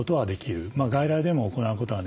外来でも行うことができる。